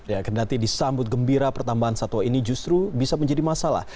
ya kendati disambut gembira pertambahan satwa ini justru bisa menjadi masalah